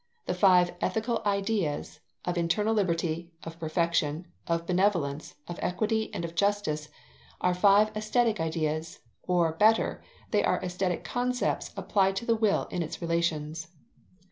The five ethical ideas, of internal liberty, of perfection, of benevolence, of equity, and of justice, are five aesthetic ideas; or better, they are aesthetic concepts applied to the will in its relations.